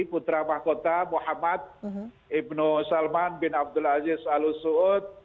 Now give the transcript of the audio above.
putra mahkota muhammad ibnu salman bin abdulaziz al suud